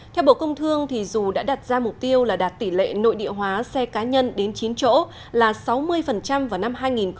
theo bộ công thương dù đã đặt ra mục tiêu là đạt tỷ lệ nội địa hóa xe cá nhân đến chín chỗ là sáu mươi vào năm hai nghìn hai mươi